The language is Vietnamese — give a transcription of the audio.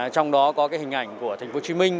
trong đó có cái hình ảnh của thành phố hồ chí minh